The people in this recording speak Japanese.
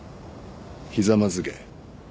ひざまずけ。